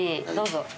どうぞ。